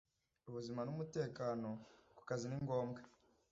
ubuzima n’umutekano ku kazi ni ngombwa